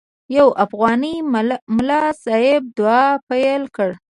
یو افغاني ملا صاحب دعا پیل کړه.